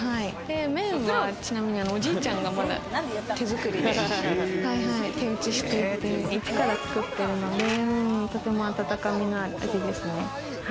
麺はおじいちゃんが、まだ手作りで、手打ちしてイチから作ってるので、とても温かみのある味ですね。